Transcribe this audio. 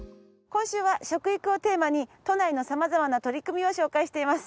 今週は食育をテーマに都内の様々な取り組みを紹介しています。